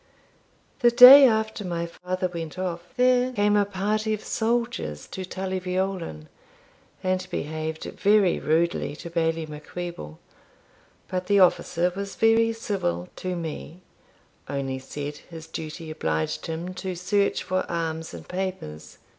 The day after my father went off there came a party of soldiers to Tully Veolan, and behaved very rudely to Bailie Macwheeble; but the officer was very civil to me, only said his duty obliged him to search for arms and papers.